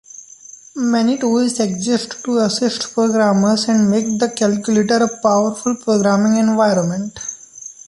Many tools exist to assist programmers and make the calculator a powerful programming environment.